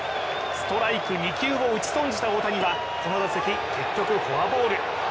ストライク２球を打ち損じた大谷は、この打席、結局フォアボール。